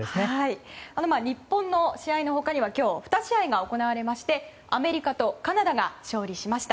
日本の試合の他には今日２試合が行われましてアメリカとカナダが勝利しました。